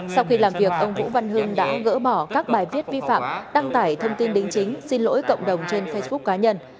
sau khi làm việc ông vũ văn hưng đã gỡ bỏ các bài viết vi phạm đăng tải thông tin đính chính xin lỗi cộng đồng trên facebook cá nhân